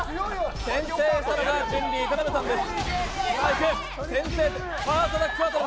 先制したのが春麗、田辺さんです。